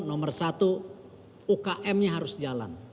nomor satu umkm nya harus jalan